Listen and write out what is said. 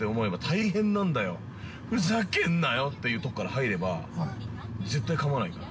大変なんだよ、ふざけんなよ！ってとこから入れば、絶対かまないから。